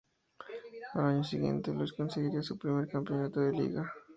Al año siguiente Luis conseguiría su primer Campeonato de Liga.